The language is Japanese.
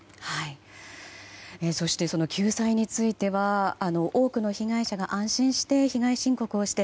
そして、救済については多くの被害者が安心して被害申告をして